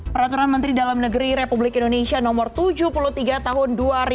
peraturan menteri dalam negeri republik indonesia no tujuh puluh tiga tahun dua ribu dua puluh